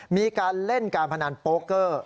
มีการเล่นการพนันโปเกอร์